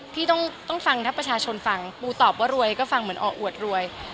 พี่ต้องฟังถ้าประชาชนฟังปูตอบว่ารวยก็ฟังเหมือนออกอวดรวย